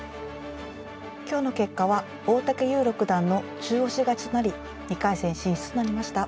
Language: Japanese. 今日の結果は大竹優六段の中押し勝ちとなり２回戦進出となりました。